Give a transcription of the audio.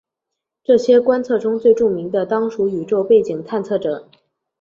这些观测中最著名的当属宇宙背景探测者。